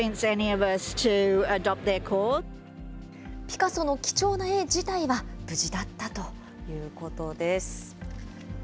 ピカソの貴重な絵自体は無事だったということです。